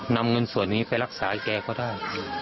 นำเงินส่วนนี้ไปรักษาแกก็ได้